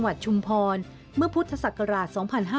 ในจังหวัดชุมพรเมื่อพุทธศักราช๒๕๐๒